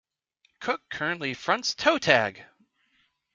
Cook currently fronts Toe Tag.